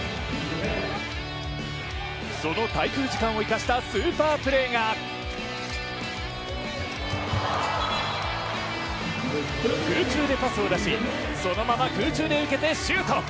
その滞空時間を生かしたスーパープレーが空中でパスを出しそのまま空中で受けてシュート。